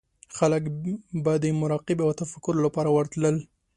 خلک به د مراقبې او تفکر لپاره ورتلل.